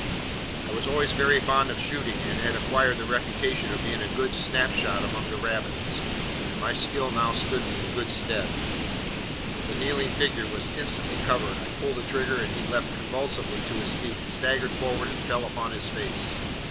I was always very fond of shooting, and had acquired the reputation of being a good snap shot among the rabbits, and my skill now stood me in good stead. The kneeling figure was instantly covered; I pulled the trigger, and he leapt convulsively to his feet, staggered forward, and fell upon his face.